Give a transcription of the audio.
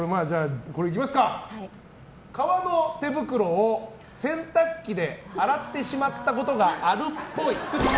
革の手袋を洗濯機で洗ってしまったことがあるっぽい。